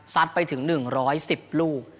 ซัดไปถึง๑๑๐ลูก